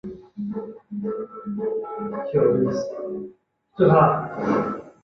周春桃被宋徽宗授为才人之位。